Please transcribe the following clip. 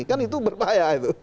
kan itu berbahaya itu